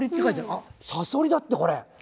あっサソリだってこれ。